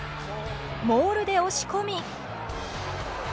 モールで押し込み。